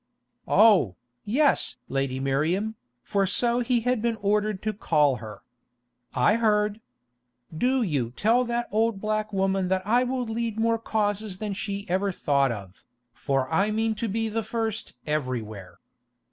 "Oh, yes! Lady Miriam," for so he had been ordered to call her. "I heard. Do you tell that old black woman that I will lead more causes than she ever thought of, for I mean to be the first everywhere.